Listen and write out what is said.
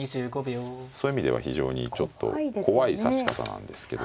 そういう意味では非常にちょっと怖い指し方なんですけど。